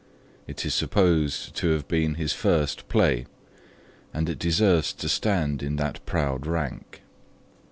It is supposed to have been his first play, and it deserves to stand in that proud rank.